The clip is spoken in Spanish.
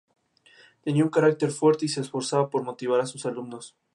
Tenía un carácter fuerte, y se esforzaba por motivar a sus alumnos.